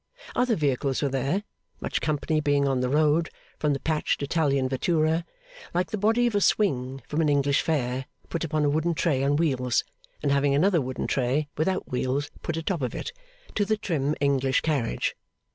Other vehicles were there, much company being on the road, from the patched Italian Vettura like the body of a swing from an English fair put upon a wooden tray on wheels, and having another wooden tray without wheels put atop of it to the trim English carriage.